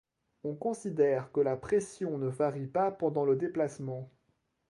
On considère que la pression ne varie pas pendant le déplacement.